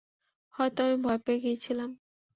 হয়তো আমি ভয় পেয়ে গিয়েছিলাম।